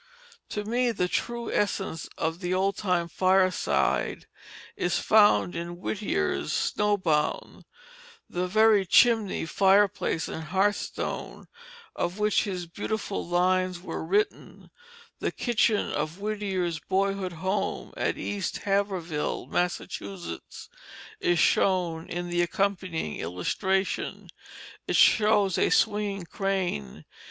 To me the true essence of the old time fireside is found in Whittier's Snow Bound. The very chimney, fireplace, and hearthstone of which his beautiful lines were written, the kitchen of Whittier's boyhood's home, at East Haverhill, Massachusetts, is shown in the accompanying illustration. It shows a swinging crane.